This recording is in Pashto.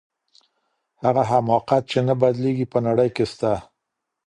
هغه حماقت چي نه بدلیږي په نړۍ کي سته.